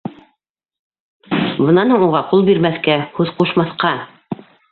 Бынан һуң уға ҡул бирмәҫкә, һүҙ ҡушмаҫҡа!